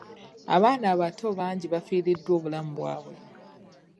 Abaana abato bangi bafiiriddwa obulamu bwabwe.